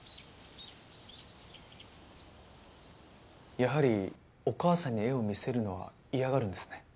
やはりお母さんに絵を見せるのは嫌がるんですね。